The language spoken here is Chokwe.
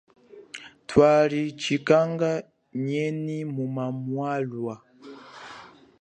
Twali chikanga nenyi mu mamwalwa.